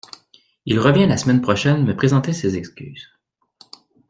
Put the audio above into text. il revient la semaine prochaine me présenter ses excuses